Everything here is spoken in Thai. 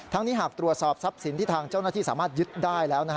นี้หากตรวจสอบทรัพย์สินที่ทางเจ้าหน้าที่สามารถยึดได้แล้ว